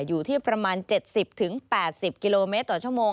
อยู่ที่ประมาณ๗๐๘๐กิโลเมตรต่อชั่วโมง